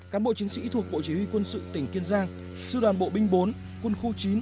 cán bộ chiến sĩ thuộc bộ chỉ huy quân sự tỉnh kiên giang sư đoàn bộ binh bốn quân khu chín